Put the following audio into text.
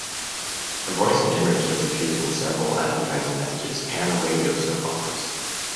Her voice and image has appeared in several advertising messages and radio soap operas.